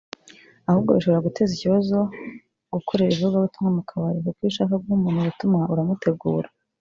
Ahubwo bishobora guteza ikibazo (gukorera ivugabutumwa mu kabari) kuko iyo ushaka guha umuntu ubutumwa uramutegura